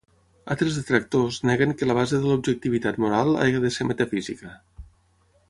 Altres detractors neguen que la base de l'objectivitat moral hagi de ser metafísica.